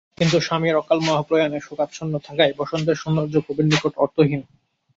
কিন্তু স্বামীর অকাল মহাপ্রয়াণে শোকাচ্ছন্ন থাকায় বসন্তের সৌন্দর্য কবির নিকট অর্থহীন।